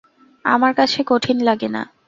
আমার কাছে কঠিন লাগে না।